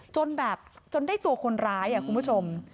จนแบบจนได้ตัวคนร้ายคุณผู้ชม